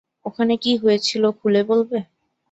ওখানে কী হয়েছিল খুলে বলবে?